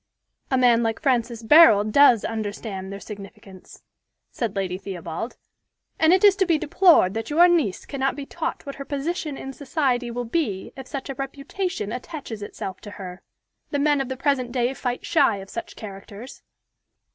"A man like Francis Barold does understand their significance," said Lady Theobald; "and it is to be deplored that your niece cannot be taught what her position in society will be if such a reputation attaches itself to her. The men of the present day fight shy of such characters."